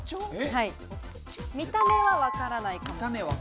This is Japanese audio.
見た目はわからないかも。